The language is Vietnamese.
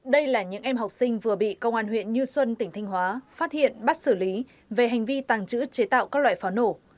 đây là những em học sinh vừa bị công an huyện như xuân tỉnh thanh hóa phát hiện bắt xử lý về hành vi tàng trữ chế tạo các loại pháo nổ